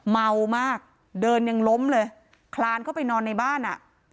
เมามากเดินยังล้มเลยคลานเข้าไปนอนในบ้านอ่ะ